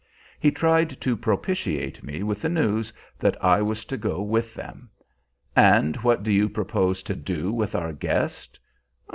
He tried to propitiate me with the news that I was to go with them. "And what do you propose to do with our guest?"